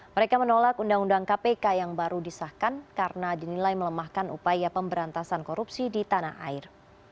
mereka menolak undang undang kpk yang baru disahkan karena dinilai melemahkan upaya pemberantasan korupsi di tanah air